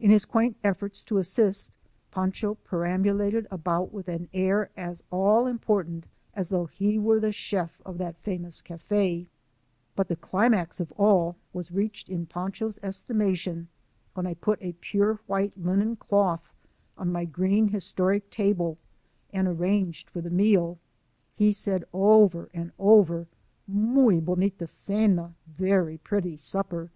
Jn his • quaint efforts to assist, Pancho perambulated around with an air as all important as though he werec/zf/of that famous ftj/K But the climax of all was reached in Panclio's estimation when I put a pure white linen doth on my green, historic table and arranged for the meal. He said over and over :" Muy bonita cena !"(•' Very pretty supper